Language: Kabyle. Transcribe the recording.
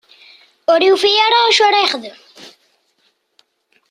Ur yufi ara acu ara yexdem.